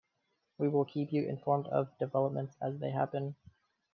We will keep you informed of developments as they happen.